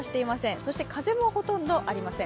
そして風もほとんどありません。